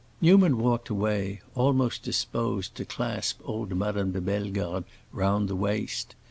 Newman walked away, almost disposed to clasp old Madame de Bellegarde round the waist.